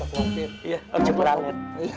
ya apcak lalat